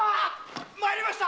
参りました！